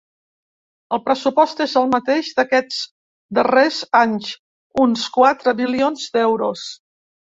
El pressupost és el mateix d’aquests darrers anys, uns quatre milions d’euros.